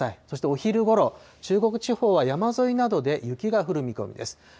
そしてお昼ごろ、中国地方は山沿いなどで雪が降る見込みです。